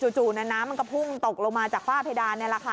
จู่น้ำมันก็พุ่งตกลงมาจากฝ้าเพดานแล้วค่ะ